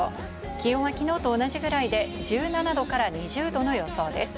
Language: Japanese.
気温は昨日と同じくらいで１７度から２０度の予想です。